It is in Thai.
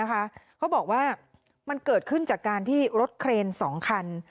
เขาบอกว่ามันเกิดขึ้นจากการที่รถเครน๒คัน